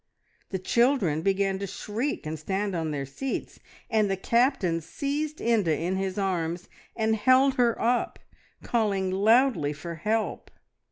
The children began to shriek and stand on their seats, and the Captain seized Inda in his arms and held her up, calling loudly for help.